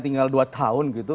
tinggal dua tahun